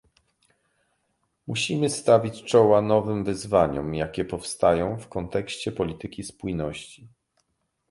Musimy stawić czoła nowym wyzwaniom, jakie powstają w kontekście polityki spójności